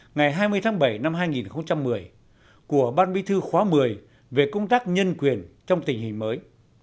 ngày hai mươi tháng bảy năm hai nghìn một mươi của ban bí thư khóa một mươi về công tác nhân quyền trong tình hình mới